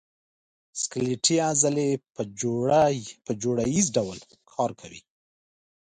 سکلیټي عضلې په جوړه ییز ډول کار کوي.